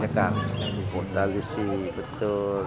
jakarta iya menyekat dan disini betul